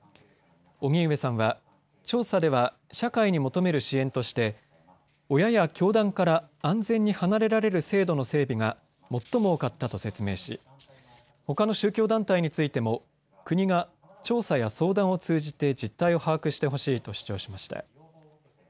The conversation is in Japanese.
荻上さんは調査では社会に求める支援として親や教団から安全に離れられる制度の整備が最も多かったと説明し、ほかの宗教団体についても国が調査や相談を通じて実態を把握してほしいと主張しました。